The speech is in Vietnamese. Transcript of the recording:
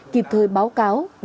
kịp thời báo cáo đề xuất biện pháp